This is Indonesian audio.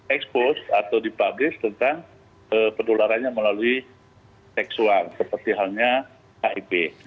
expose atau dipublis tentang penularannya melalui seksual seperti halnya hiv